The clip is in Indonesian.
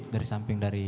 dari samping dari